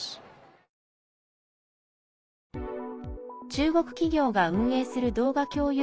中国企業が運営する動画共有